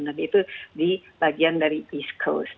dan itu di bagian dari east coast